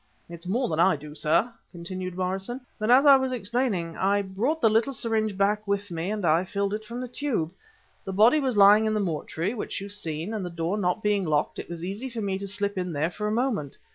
"It's more than I do, sir," continued Morrison, "but as I was explaining, I brought the little syringe back with me and I filled it from the tube. The body was lying in the mortuary, which you've seen, and the door not being locked, it was easy for me to slip in there for a moment.